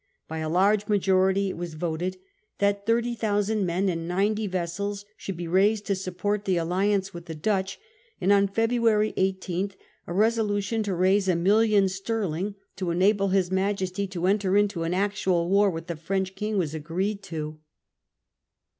By a large majority ^ a favour n of ft was vote d that 30,000 men and 90 vessels the war. should be raised to support the alliance with the Dutch, and on February 18 a resolution to raise a million sterling, ' to enable his Majesty to enter into an actual war with the French King,' was agreed to.